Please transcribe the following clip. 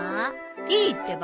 いいってば！